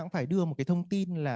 phải đưa một thông tin là